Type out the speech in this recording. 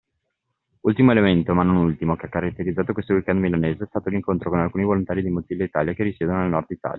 Ultimo elemento ma non ultimo, che ha caratterizzato questo weekend Milanese è stato l’incontro con alcuni volontari di Mozilla Italia che risiedono nel Nord Italia.